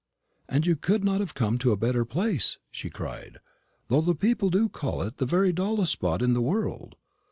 "And you could not have come to a better place," she cried, "though people do call it the very dullest spot in the world.